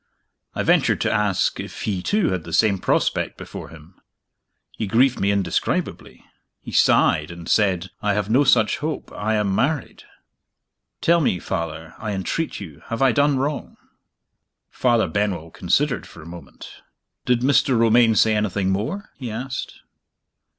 I ventured to ask if he too had the same prospect before him. He grieved me indescribably. He sighed and said, 'I have no such hope; I am married.' Tell me Father, I entreat you, have I done wrong?" Father Benwell considered for a moment. "Did Mr. Romayne say anything more?" he asked.